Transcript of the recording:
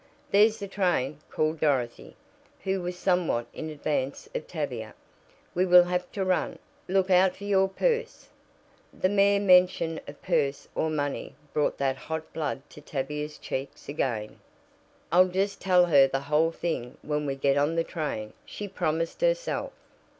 "There's the train," called Dorothy, who was somewhat in advance of Tavia. "We will have to run! Look out for your purse!" The mere mention of purse or money brought the hot blood to Tavia's cheeks again. "I'll just tell her the whole thing when we get on the train," she promised herself.